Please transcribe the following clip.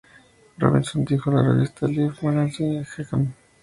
Robinson le dijo a la revista "Life Magazine" "Hakeem?